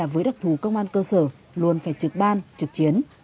với đặc thù công an cơ sở luôn phải trực ban trực chiến